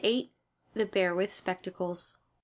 XIII. THE BEAR WITH SPECTACLES.